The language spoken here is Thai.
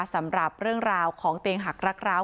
สำหรับเรื่องราวของเตียงหักรักร้าว